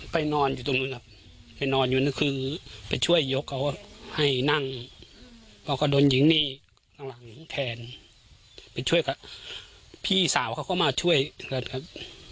ไปช่วยกับพี่สาวเขาก็มาช่วยกันครับ